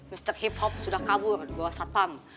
mr hip hop sudah kabur di bawah satpam